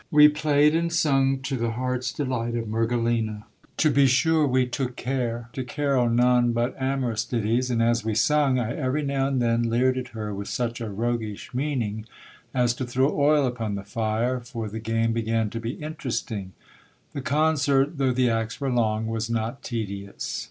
We played and sung to the heart's delight of Mergelina. To be sure we took care to carol none but amorous ditties; and as we sung, I every now and then le ;red at her with such a roguish meaning, as to throw oil upon the fire, for the 66 GIL BLAS. game began to be interesting. The concert, though the acts were long, was not tedious.